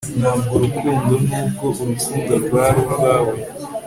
Ntabwo Urukundo nubwo Urukundo rwari urwawe